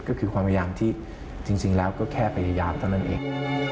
ก็คือความพยายามที่จริงแล้วก็แค่พยายามเท่านั้นเอง